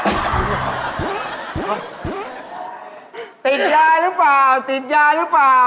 ติดยาหรือเปล่าติดยาหรือเปล่า